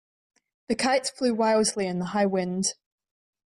The kite flew wildly in the high wind.